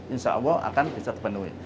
insya allah akan bisa terpenuhi